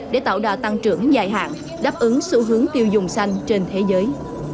để tạo đà tăng trưởng dài hạn đáp ứng xu hướng tiêu dùng xanh trên thế giới